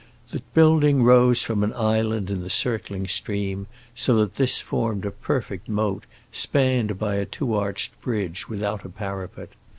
The building rose from an island in the circling stream, so that this formed a perfect moat spanned by a two arched bridge without a parapet.